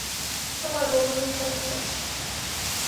তোমার গোপনীয়তা আছে?